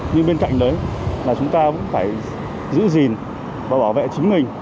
nhưng bên cạnh đấy là chúng ta cũng phải giữ gìn và bảo vệ chính mình